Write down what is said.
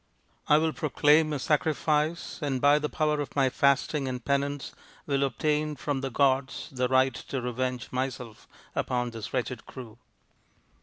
I will proclaim a sacrifice, and by the power of my fasting and penance will obtain from the gods the right to revenge myself upon this wretched crew."